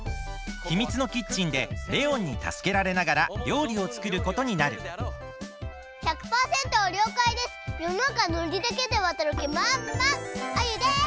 ひみつのキッチンでレオンにたすけられながらりょうりをつくることになる１００パーセントりょうかいです！よのなかノリだけでわたるきまんまんアユです！